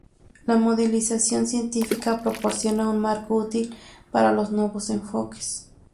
La modelización científica proporciona un marco útil para los nuevos enfoques.